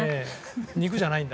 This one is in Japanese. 肉じゃないんだ。